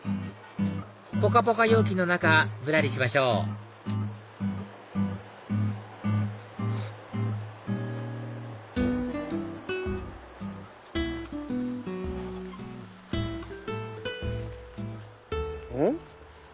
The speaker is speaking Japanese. ぽかぽか陽気の中ぶらりしましょううん？